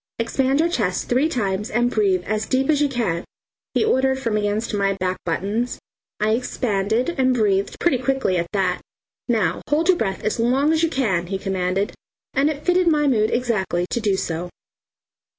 "Expand your chest three times and breathe as deep as you can," he ordered from against my back buttons. I expanded and breathed pretty quickly at that. "Now hold your breath as long as you can," he commanded, and it fitted my mood exactly to do so.